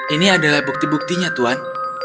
ini adalah bukti buktinya tuhan